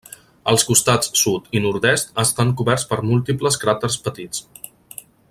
Els costats sud i nord-est estan coberts per múltiples cràters petits.